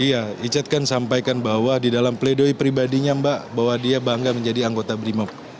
iya richard kan sampaikan bahwa di dalam pledoi pribadinya mbak bahwa dia bangga menjadi anggota brimob